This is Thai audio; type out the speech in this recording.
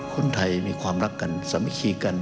คนไทยมีความรักกันสามัคคีกัน